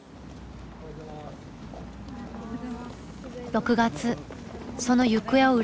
６月その行方を占う